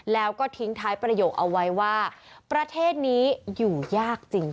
แล้วก็ทิ้งท้ายประโยคเอาไว้ว่าประเทศนี้อยู่ยากจริง